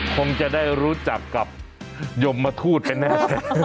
คงจะได้รู้จักกับยมทูตกันแน่